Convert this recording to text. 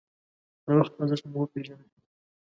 د وخت ارزښت مو وپېژنئ.